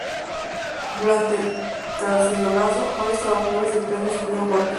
Durante el cacerolazo varios trabajadores de prensa sufrieron golpes.